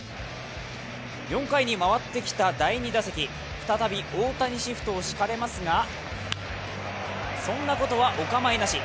４回に回ってきた第２打席再び大谷シフトを敷かれますが、そんなことはお構いなし。